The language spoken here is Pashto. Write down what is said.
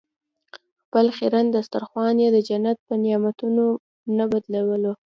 خپل خیرن دسترخوان یې د جنت په نعمتونو نه بدلولو.